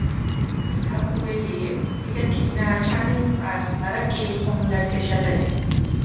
მუ საკურელიე, ბიგა ქიდჷნააჩანეს წყარსჷ, მარა კინი ხომულათ გეშეღესჷ.